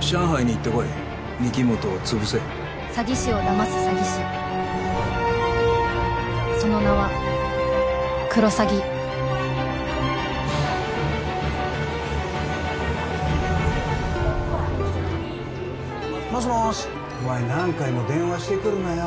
上海に行ってこい御木本をつぶせ詐欺師をだます詐欺師その名はクロサギもしもーしお前何回も電話してくるなよ